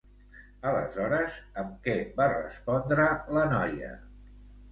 Aleshores, amb què va respondre la noia?